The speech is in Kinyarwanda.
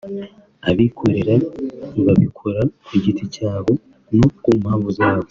Ababikora babikora ku giti cyabo no ku mpamvu zabo